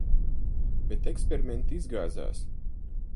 Bet eksperimenti izgāzās.